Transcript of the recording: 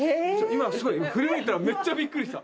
今すごい振り向いたらめっちゃびっくりした。